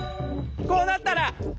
こうなったら。